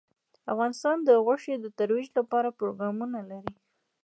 افغانستان د غوښې د ترویج لپاره پروګرامونه لري.